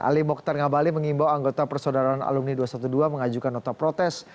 ali mokhtar ngabali mengimbau anggota persaudaraan alumni dua ratus dua belas mengajukan nota protes